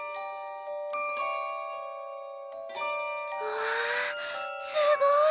うわすごい！